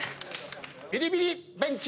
ビリビリベンチ